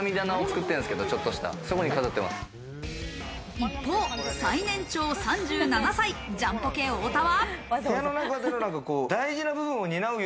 一方、最年長３７歳、ジャンポケ・太田は。